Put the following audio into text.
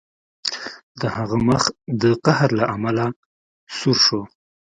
د هغه مخ د قهر له امله سور شو